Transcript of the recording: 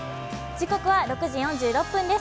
時刻は６時４６分です。